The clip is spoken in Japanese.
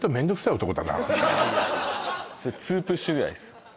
いやいやツープッシュぐらいです